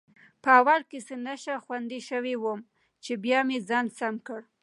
په اول کې څه نشه غوندې شوی وم، چې بیا مې ځان سم کړ.